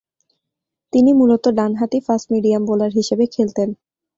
তিনি মূলতঃ ডানহাতি ফাস্ট-মিডিয়াম বোলার হিসেবে খেলতেন।